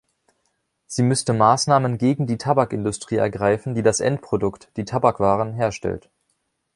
Sie müsste Maßnahmen gegen die Tabakindustrie ergreifen, die das Endprodukt, die Tabakwaren, herstellt.